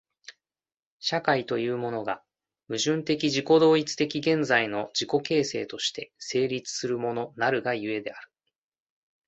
社会というものが、矛盾的自己同一的現在の自己形成として成立するものなるが故である。